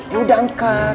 ya udah angkat